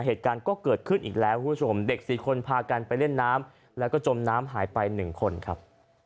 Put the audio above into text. เหตุการณ์ก็เกิดขึ้นอีกแล้วคุณผู้ชมเด็ก๔คนพากันไปเล่นน้ำแล้วก็จมน้ำหายไป๑คนครับ